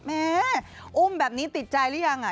แม่อุ้มแบบนี้ติดใจหรือยัง